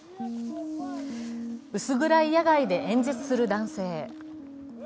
薄暗い野外で演説する男性。